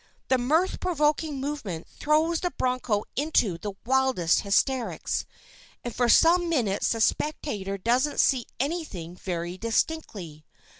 The mirth provoking movement throws the broncho into the wildest hysterics, and for some minutes the spectator doesn't see anything very distinctly.